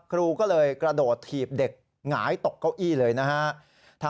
ครูก็เลยกระโดดถีบเด็กหงายตกเก้าอี้เลยนะฮะ